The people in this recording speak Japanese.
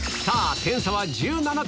点差は１７点。